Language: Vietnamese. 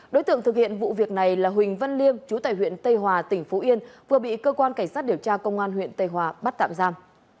đối tượng thực hiện vụ việc này là huỳnh văn liêm chú tại huyện tây hòa tỉnh phú yên vừa bị cơ quan cảnh sát điều tra công an huyện tây hòa bắt tạm giam